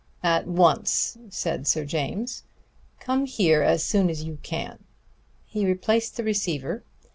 "At once," said Sir James. "Come here as soon as you can!" He replaced the receiver.